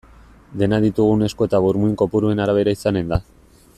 Dena ditugun esku eta burmuin kopuruen arabera izanen da.